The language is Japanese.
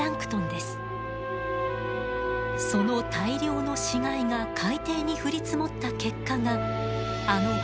その大量の死骸が海底に降り積もった結果があの黒い堆積物。